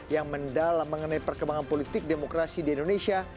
yang mendalam mengenai perkembangan politik demokrasi di indonesia